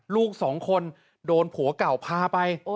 ลูกสองคนโดนผัวเก่าพาไป